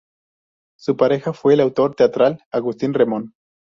Su pareja fue el autor teatral Agustín Remón.